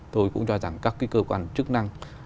tôi cũng cho rằng các cơ quan chức năng